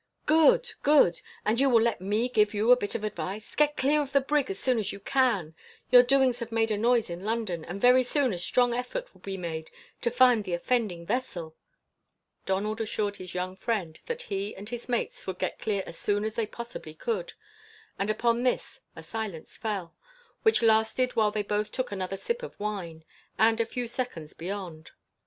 "Good! good! And you will let me give you a bit of advice. Get clear of the brig as soon as you can. Your doings have made a noise in London, and very soon a strong effort will be made to find the offending vessel." Donald assured his young friend that he and his mates would get clear as soon as they possibly could; and upon this a silence fell, which lasted while they both took another sip of wine, and a few seconds beyond.